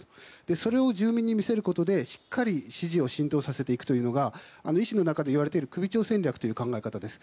それを住民に見せることでしっかり支持を浸透させていくことが維新の中で言われている首長戦略という考え方です。